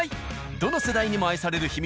どの世代にも愛される秘密